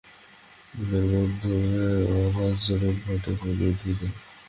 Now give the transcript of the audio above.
মুলের মাধ্যমে অভাজ জনন ঘটে কোন উদ্ভিদে?